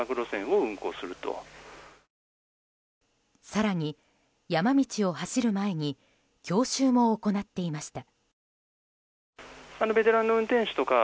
更に、山道を走る前に教習も行っていました。